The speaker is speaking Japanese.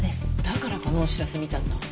だからこのお知らせ見たんだ。